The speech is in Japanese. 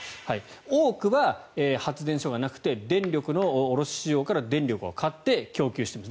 多くは発電所がなくて電力の卸市場から電力を買って供給している。